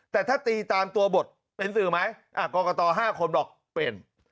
แต่ถ้าตีตามตัวบทเป็นสื่อไหมกรกต๕คนบอกเป็น